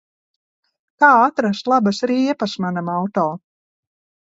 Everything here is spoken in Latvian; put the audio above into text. Kā atrast labas riepas manam auto?